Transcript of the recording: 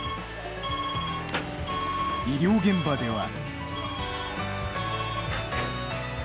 医療現場では。